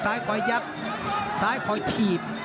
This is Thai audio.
สายคอยยับสายคอยถีบ